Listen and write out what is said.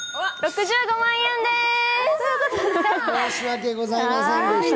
申し訳ございませんでした。